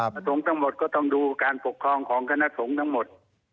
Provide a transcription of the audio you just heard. สงฆ์ทั้งหมดก็ต้องดูการปกครองของคณะสงฆ์ทั้งหมด